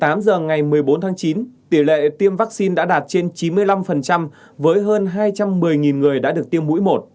trong ngày một mươi bốn tháng chín tiểu lệ tiêm vaccine đã đạt trên chín mươi năm với hơn hai trăm một mươi người đã được tiêm mũi một